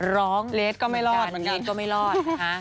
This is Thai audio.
ร้องเหมือนกันรีดก็ไม่รอดค่ะรีดก็ไม่รอด